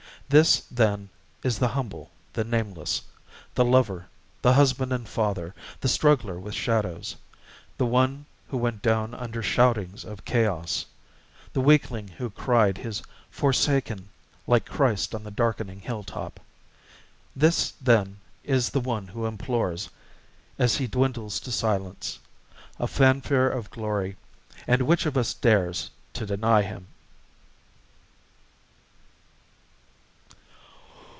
This, then, is the humble, the nameless, The lover, the husband and father, the struggler with shadows, The one who went down under shoutings of chaos! The weakling Who cried his "forsaken!" like Christ on the darkening hilltop!... This, then, is the one who implores, as he dwindles to silence, A fanfare of glory.... And which of us dares to deny him!